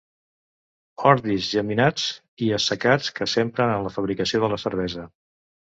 Ordis germinats i assecats que s'empren en la fabricació de la cervesa.